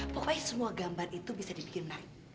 pokoknya semua gambar itu bisa dibikin menarik